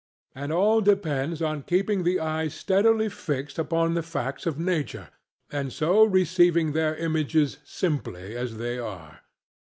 And all depends on keeping the eye steadily fixed upon the facts of nature and so receiving their images simply as they are.